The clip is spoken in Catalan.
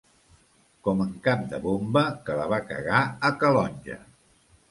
Com en Cap de Bomba, que la va cagar a Calonge.